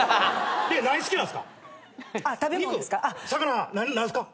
何好きなんすか？